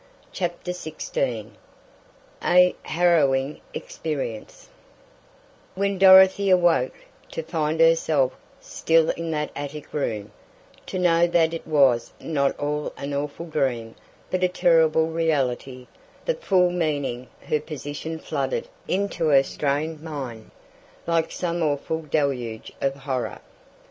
CHAPTER XVI A HARROWING EXPERIENCE When Dorothy awoke, to find herself still in that attic room, to know that it was not all an awful dream, but a terrible reality, the full meaning her position flooded into her strained mind, like some awful deluge of horror!